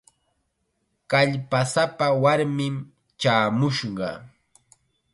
Kallpasapa warmim chaamushqa.